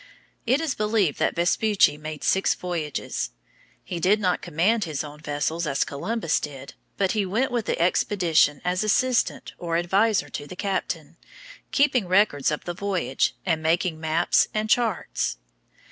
It is believed that Vespucci made six voyages. He did not command his own vessels, as Columbus did, but he went with the expedition as assistant or adviser to the captain, keeping records of the voyage and making maps and charts.